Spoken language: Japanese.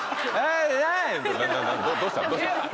どうしたん？